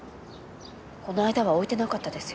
この間は置いてなかったですよね。